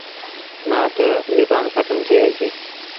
نا تا زبآن کتم ٿئي وهيسي۔